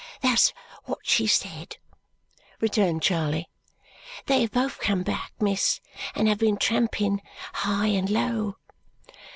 "That's what she said!" returned Charley. "They have both come back, miss, and have been tramping high and low."